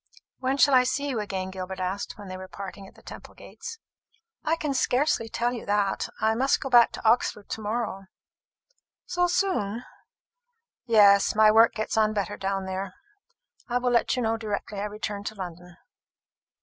"When shall I see you again?" Gilbert asked, when they were parting at the Temple gates. "I can scarcely tell you that. I must go back to Oxford to morrow." "So soon?" "Yes, my work gets on better down there. I will let you know directly I return to London."